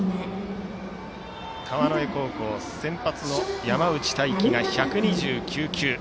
川之江高校先発の山内太暉が１２９球。